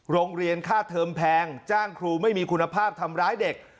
โรงเรียนค่าเทอมแพงจ้างครูไม่มีคุณภาพทำร้ายเด็ก